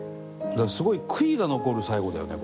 すごい悔いが残る最期だよね